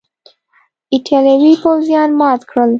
ایټالوي پوځیان مات کړل.